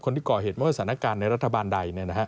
คนที่ก่อเหตุไม่ว่าสถานการณ์ในรัฐบาลใด